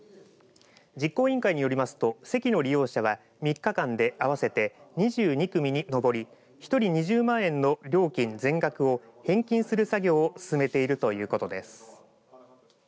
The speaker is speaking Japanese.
実行委員会によりますと席の利用者は３日間で合わせて２２組に上り１人２０万円の料金全額を返金する作業を進めるているということです。